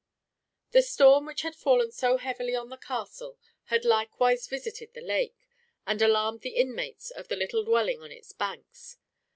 THE storm which had fallen so heavily on the castle had likewise visited the lake, and alarmed the inmates of the little dwelling on its banks.